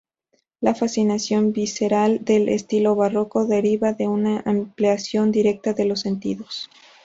La fascinación visceral del estilo barroco deriva de una implicación directa de los sentidos.